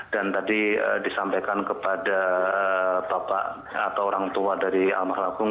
dan tadi disampaikan kepada bapak atau orang tua dari almarhum agung